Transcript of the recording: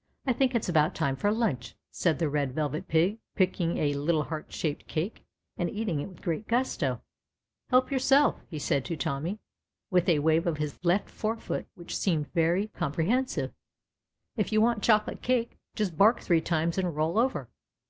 " I think it's about time for lunch," said the Red Velvet Pig, picking a little heart shaped cake and eating it with great gusto. "Help yourself," he said to Tommy, with a wave of his left forefoot which seemed very THE RED VELVET PIG. 2B7 comprehensive. If you want chocolate cake just bark three times and roll over."